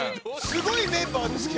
すごいメンバーですけど。